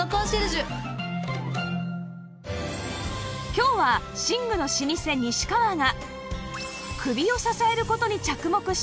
今日は寝具の老舗西川が